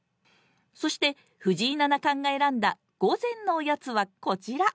そして、藤井七冠が選んだ午前のおやつは、こちら。